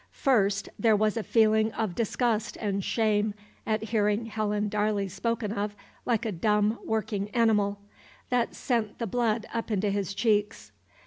First there was a feeling of disgust and shame at hearing Helen Darley spoken of like a dumb working animal. That sent the blood up into his cheeks.